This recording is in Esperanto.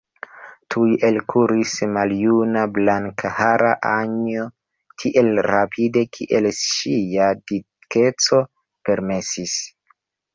Tuj elkuris maljuna, blankhara Anjo, tiel rapide, kiel ŝia dikeco permesis.